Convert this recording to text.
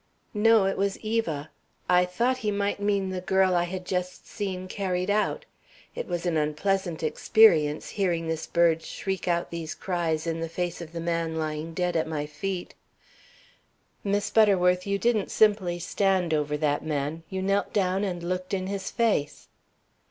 '" "No, it was Eva. I thought he might mean the girl I had just seen carried out. It was an unpleasant experience, hearing this bird shriek out these cries in the face of the man lying dead at my feet." "Miss Butterworth, you didn't simply stand over that man. You knelt down and looked in his face."